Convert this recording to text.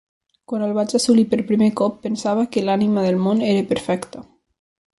Quan el vaig assolir per primer cop, pensava que l'ànima del món era perfecta.